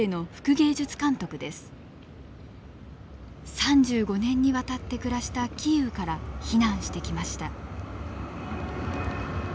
３５年にわたって暮らしたキーウから避難してきました。